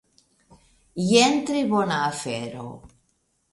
Jen tre bona afero.